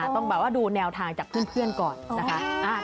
ต้องแบบว่าดูแนวทางจากเพื่อนก่อนนะคะ